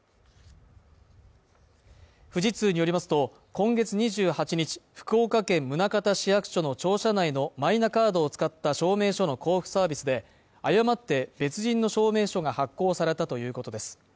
富士通によりますと、今月２８日、福岡県宗像市役所の庁舎内のマイナカードを使った証明書の交付サービスで、誤って別人の証明書が発行されたということです。